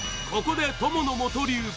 ここでとものもと流